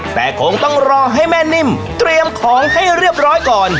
แต่คงต้องรอให้แม่นิ่มเตรียมของให้เรียบร้อยก่อน